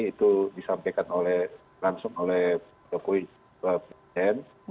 itu disampaikan langsung oleh jokowi presiden